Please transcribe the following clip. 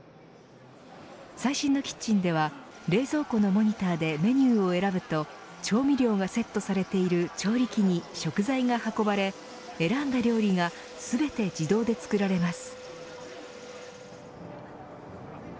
最新のキッチンでは冷蔵庫のモニターでメニューを選ぶと、調味料がセットされている調理器に食材が運ばれ、選んだ料理が全て自動で作られます。